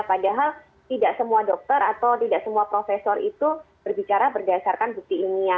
padahal tidak semua dokter atau tidak semua profesor itu berbicara berdasarkan bukti ilmiah